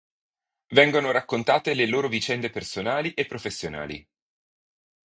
Vengono raccontate le loro vicende personali e professionali.